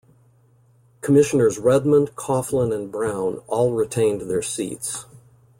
Commissioners Redmond, Coughlin, and Brown all retained their seats.